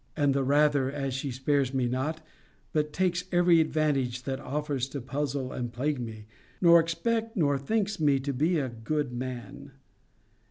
And the rather, as she spares me not, but takes every advantage that offers to puzzle and plague me; nor expect nor thinks me to be a good man.